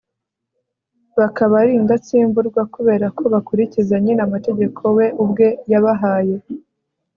bakaba ari indatsimburwa kubera ko bakurikiza nyine amategeko we ubwe yabahaye